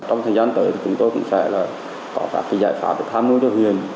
trong thời gian tới chúng tôi cũng sẽ có các giải pháp tham mưu cho huyền